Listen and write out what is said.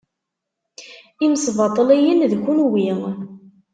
Imesbaṭliyen d kenwi.